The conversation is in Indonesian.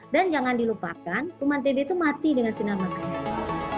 dan jangan dilupakan rumah tb itu mati dengan sinar makanya